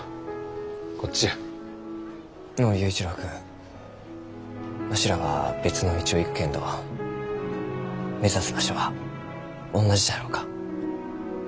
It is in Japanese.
のう佑一郎君わしらは別の道を行くけんど目指す場所はおんなじじゃろうか？